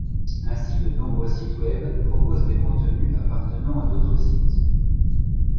Ainsi, de nombreux sites Web proposent des contenus appartenant à d'autres sites.